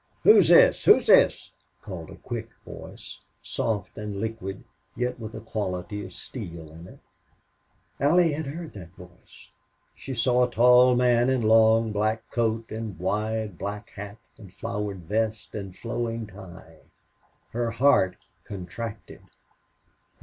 "Who's this who's this?" called a quick voice, soft and liquid, yet with a quality of steel in it. Allie had heard that voice. She saw a tall man in long black coat and wide black hat and flowered vest and flowing tie. Her heart contracted.